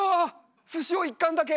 すしを一貫だけ。